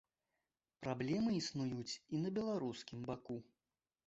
Праблемы існуюць і на беларускім баку.